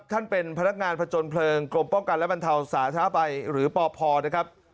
ท่านเป็นพนักงานผจญเพลิงกรมป้องกันและบรรเทาสาธารณภัยหรือปพนะครับ